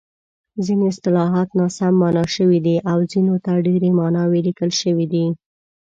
ځیني اصطلاحات ناسم مانا شوي دي او ځینو ته ډېرې ماناوې لیکل شوې دي.